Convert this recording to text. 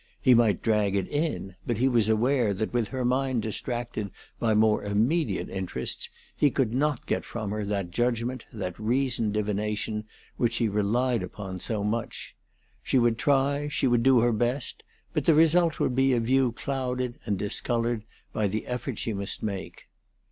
He might drag it in, but he was aware that with her mind distracted by more immediate interests he could not get from her that judgment, that reasoned divination, which he relied upon so much. She would try, she would do her best, but the result would be a view clouded and discolored by the effort she must make.